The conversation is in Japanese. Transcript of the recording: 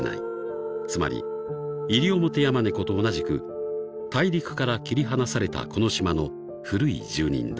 ［つまりイリオモテヤマネコと同じく大陸から切り離されたこの島の古い住人だ］